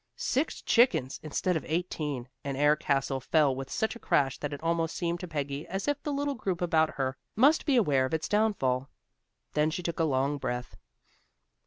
Six chickens, instead of eighteen! An air castle fell with such a crash that it almost seemed to Peggy as if the little group about her must be aware of its downfall. Then she took a long breath.